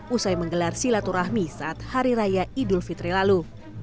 usai menggelar silaturahmi saat hari raya idul fitri lalu